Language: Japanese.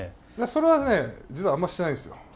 それはね実はあんましてないんですよ。